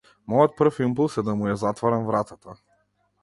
Мојот прв имплус е да му ја затворам вратата.